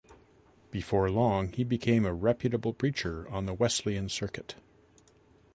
Before long he became a reputable preacher on the Wesleyan circuit.